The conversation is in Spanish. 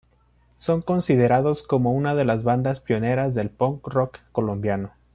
Son considerados como una de las bandas pioneras del punk rock colombiano.